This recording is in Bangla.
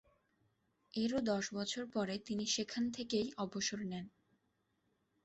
এরও দশ বছর পরে তিনি সেখান থেকেই অবসর নেন।